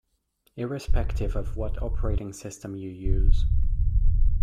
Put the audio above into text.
Irrespective of what operating system you use.